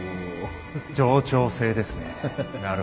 冗長性ですねなるほど。